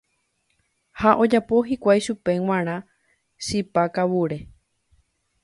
Ha ojapo hikuái chupe g̃uarã chipa kavure.